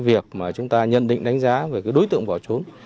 vì việc mà chúng ta nhận định đánh giá về đối tượng bỏ trốn